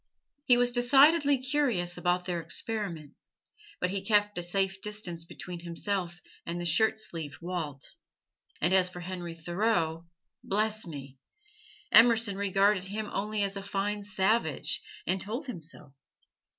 He was decidedly curious about their experiment. But he kept a safe distance between himself and the shirt sleeved Walt; and as for Henry Thoreau bless me! Emerson regarded him only as a fine savage, and told him so.